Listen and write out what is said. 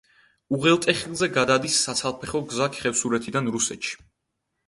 უღელტეხილზე გადადის საცალფეხო გზა ხევსურეთიდან რუსეთში.